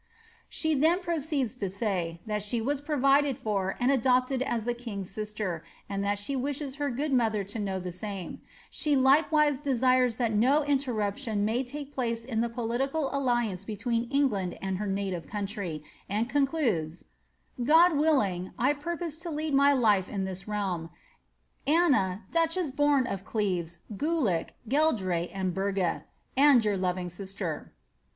She then proceeds to say, that she was provided for and adopted as the king's sister, and that she wishes her good mother to know the mme ; she likewise desires that no interruption may take place in the political alliance between England and her native country, and concludes, ^God willing, I purpose to lead my life in this realm. ^ Anna, Duchess born of Cleves, Gulick, Geldre, and Berge, and your loving sister."